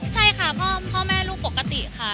ใช่ค่ะพ่อแม่ลูกปกติค่ะ